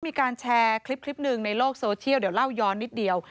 มีการแชร์คลิปหนึ่งในโลกโซเชียลเดี๋ยวเล่าย้อนนิดเดียว